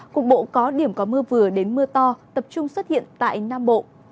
cục bộ có điểm có mưa vừa đến mưa to tập trung xuất hiện tại nam bộ